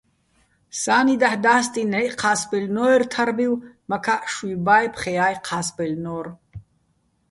სა́ნი დაჰ̦ და́სტიჼ, ნჵაჲჸი̆ ჴა́სბაჲლნო́ერ თარბივ, მაქაჸ შუ́ჲბა́ჲ, ფხეა́ ჴა́სბაჲლნო́რ.